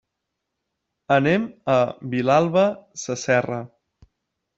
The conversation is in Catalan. Anem a Vilalba Sasserra.